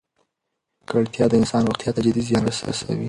ککړتیا د انسان روغتیا ته جدي زیان رسوي.